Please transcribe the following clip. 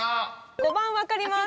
５番分かります。